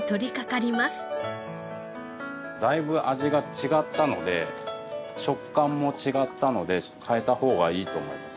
だいぶ味が違ったので食感も違ったので変えた方がいいと思います。